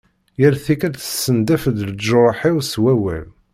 Yal tikelt tessendaf-d leǧruḥ-iw s wawal.